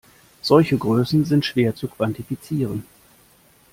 Solche Größen sind schwer zu quantifizieren.